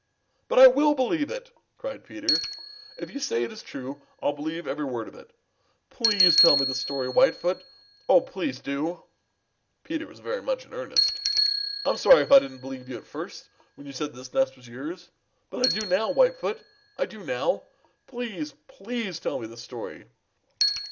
"But I will believe it!" cried Peter. "If you say it is true, I'll believe every word of it. Please tell me the story, Whitefoot. Oh, please do." Peter was very much in earnest. "I'm sorry I didn't believe you at first when you said that this nest is yours. But I do now, Whitefoot. I do now. Please, please tell me the story."